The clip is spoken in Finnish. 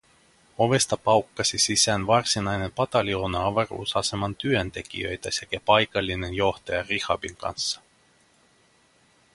Ovesta paukkasi sisään varsinainen pataljoona avaruusaseman työntekijöitä sekä paikallinen johtaja Rihabin kanssa.